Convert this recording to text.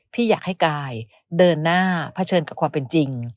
พี่อยากให้กายเดินหน้าเผชิญกับความเป็นจริง